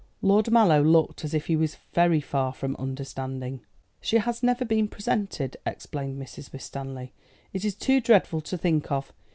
Lord Mallow looked as if he was very far from understanding. "She has never been presented," explained Mrs. Winstanley. "It is too dreadful to think of.